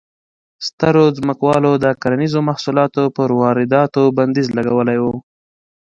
سترو ځمکوالو د کرنیزو محصولاتو پر وارداتو بندیز لګولی و.